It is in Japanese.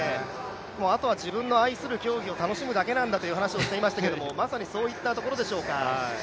あとは自分の愛する競技を楽しむだけなんだと話していましたがまさにそういったところでしょうか。